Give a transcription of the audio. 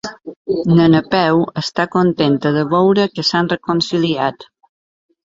La Napeu està contenta de veure que s'han reconciliat.